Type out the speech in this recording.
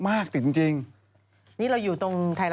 สาวเตือนผ่าย